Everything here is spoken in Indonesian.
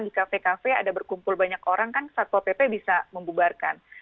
di kafe kafe ada berkumpul banyak orang kan satpol pp bisa membubarkan